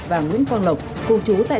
và nguyễn quang lộc cung trú tại